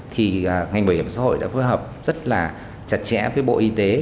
thì ngành bảo hiểm xã hội đã phối hợp rất là chặt chẽ với bộ y tế